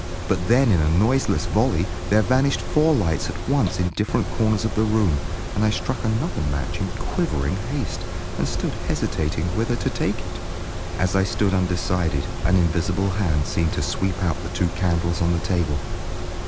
But then in a noiseless volley there vanished four lights at once in different corners of the room, and I struck another match in quivering haste, and stood hesitating whither to take it. As I stood undecided, an invisible hand seemed to sweep out the two candles on the table.